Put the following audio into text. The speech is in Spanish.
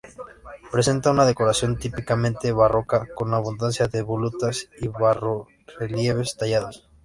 Presenta una decoración típicamente barroca, con abundancia de volutas y bajorrelieves tallados.